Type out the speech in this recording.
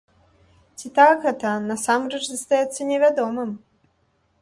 Ці так гэта насамрэч застаецца невядомым.